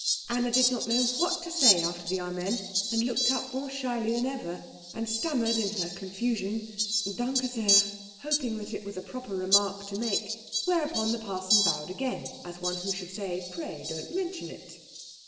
Anna did not know what to say after the Amen, and looked up more shyly than ever, and stammered in her confusion Danke sehr, hoping that it was a proper remark to make; whereupon the parson bowed again, as one who should say Pray don't mention it.